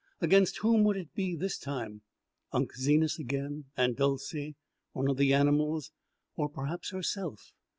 Against whom would it be this time Unc' Zenas again Aunt Dolcey one of the animals or perhaps herself?